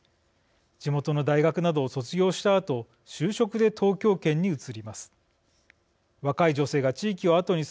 地元の大学などを卒業したあと就職で東京圏に移ります。